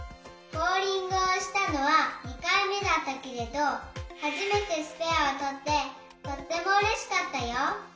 ボウリングをしたのは２かいめだったけれどはじめてスペアをとってとってもうれしかったよ。